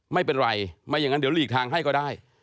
ไม่เป็นไรไม่อย่างนั้นเดี๋ยวหลีกทางให้ก็ได้